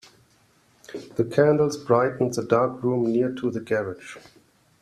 The candles brightened the dark room near to the garage.